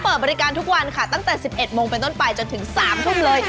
เปิดบริการทุกวันค่ะตั้งแต่๑๑โมงเป็นต้นไปจนถึง๓ทุ่มเลย